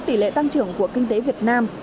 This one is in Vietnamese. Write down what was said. tỷ lệ tăng trưởng của kinh tế việt nam